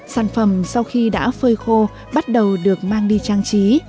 sản phẩm sau khi đã phơi khô bắt đầu được mang đi trang trí